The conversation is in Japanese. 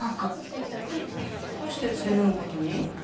どうしてうちで飲むことに？